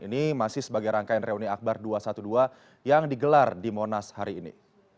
ini masih sebagai rangkaian reuni akbar dua ratus dua belas yang digelar di monas hari ini